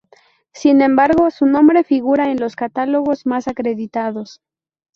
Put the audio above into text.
Sin embargo, su nombre figura en los catálogos más acreditados.